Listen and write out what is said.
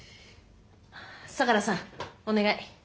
相楽さんお願い。